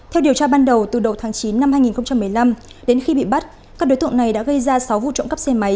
theo điều tra ban đầu từ đầu tháng chín năm hai nghìn một mươi năm đến khi bị bắt các đối tượng này đã gây ra sáu vụ trộm cắp xe máy